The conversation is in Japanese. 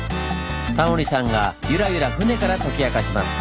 タモリさんがユラユラ船から解き明かします。